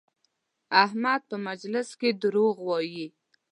احمد په مجلس کې دروغ وایي؛